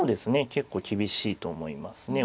結構厳しいと思いますね。